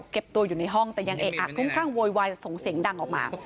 เก็บตัวอยู่ในห้องแต่ยังเอกอะคลุ้มคลั่งโวยวายส่งเสียงดังออกมา